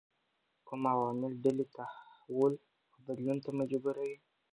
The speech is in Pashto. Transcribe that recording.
کوم عوامل ډلې تحول او بدلون ته مجبوروي؟